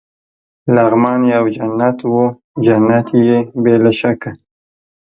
لغمان یو جنت وو، جنت يې بې له شکه.